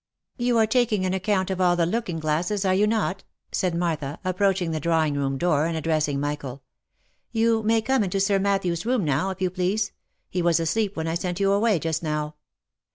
" You are taking an account of all the looking glasses, are you not?" said Martha, approaching the drawing room door and address ing Michael. " You may come into Sir Matthew's room now, if you please. He was asleep when I sent you away just now."